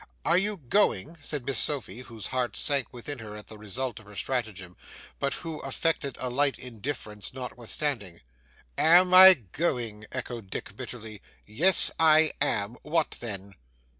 'Are you going?' said Miss Sophy, whose heart sank within her at the result of her stratagem, but who affected a light indifference notwithstanding. 'Am I going!' echoed Dick bitterly. 'Yes, I am. What then?